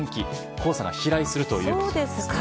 黄砂が飛来するということです。